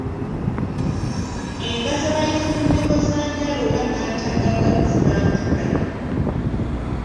Enva ze bayita munnyogozanjala oba nantagabwa ziba ntula.